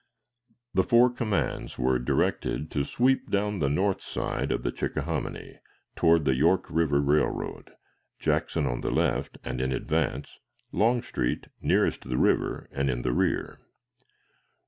The four commands were directed to sweep down the north side of the Chickahominy toward the York River Railroad Jackson on the left and in advance; Longstreet nearest the river and in the rear.